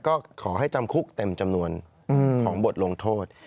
ก็ขอให้จำคุกเต็มจำนวนของบทลงโทษ